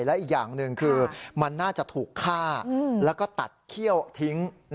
และอีกอย่างหนึ่งคือมันน่าจะถูกฆ่าแล้วก็ตัดเขี้ยวทิ้ง